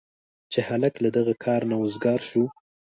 چې هلک له دغه کاره نه وزګار شو.